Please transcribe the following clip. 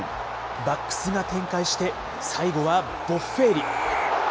バックスが展開して、最後はボッフェーリ。